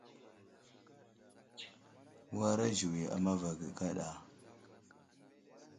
Wara ziwi a mava ge kaɗa.